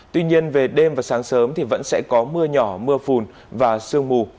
tuy nhiên về đêm và sáng sớm thì vẫn sẽ có mưa nhỏ mưa phùn và sương mù